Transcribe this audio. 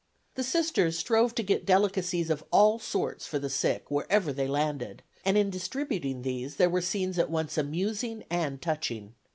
The Sisters strove to get delicacies of all sorts for the sick wherever they landed, and in distributing these there were scenes at once amusing and touching.